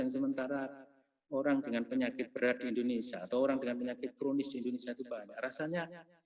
sementara orang dengan penyakit berat di indonesia atau orang dengan penyakit kronis di indonesia itu banyak rasanya